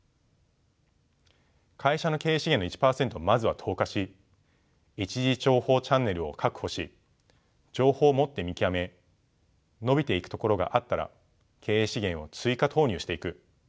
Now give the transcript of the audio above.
会社の経営資源の１％をまずは投下し一次情報チャンネルを確保し情報をもって見極め伸びていくところがあったら経営資源を追加投入していく。